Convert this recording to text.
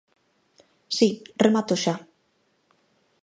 Si, remato xa.